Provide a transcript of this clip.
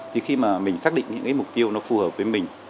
thì khi mà mình xác định những cái mục tiêu nó phù hợp với mình